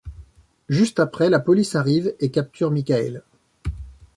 Juste après, la police arrive et capture Michael.